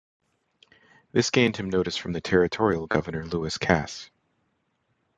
This gained him notice from the territorial governor, Lewis Cass.